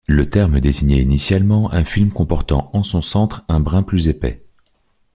Le terme désignait initialement un fil comportant en son centre un brin plus épais.